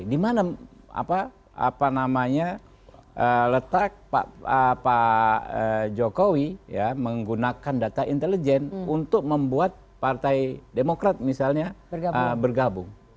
di mana apa namanya letak pak jokowi menggunakan data intelijen untuk membuat partai demokrat misalnya bergabung